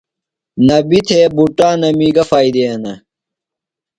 نبی تھےۡ بُٹانَمی گہ فائدے ہِنہ ؟